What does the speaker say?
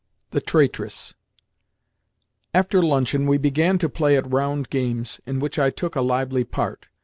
THE TRAITRESS After luncheon we began to play at round games, in which I took a lively part.